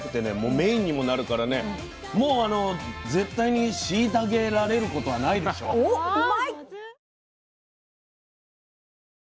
メインにもなるからねもう絶対に「しいたげ」られることはないでしょう。おっうまい！